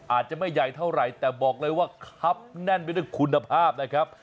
อาจจะไม่ใหญ่เท่าไหร่แต่บอกเลยว่าคับแน่นไปด้วยคุณภาพนะครับ